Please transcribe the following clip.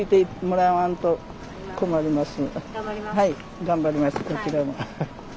はい頑張りますこちらも。